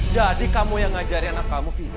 jadi kamu yang ngajari anak kamu vicky